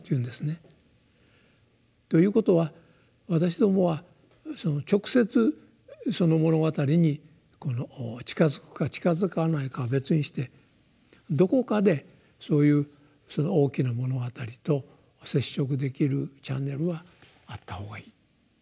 ということは私どもは直接その「物語」に近づくか近づかないかは別にしてどこかでそういう「大きな物語」と接触できるチャンネルはあった方がいいと。